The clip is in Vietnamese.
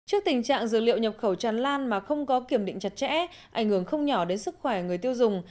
trước tình trạng dược liệu nhập khẩu tràn lan mà không có kiểm định chặt chẽ ảnh hưởng không nhỏ đến sức khỏe người tiêu dùng